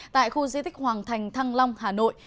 tại khu di tích hoàng thành thăng long hà nội